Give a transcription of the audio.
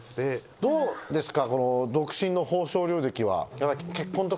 どうですか？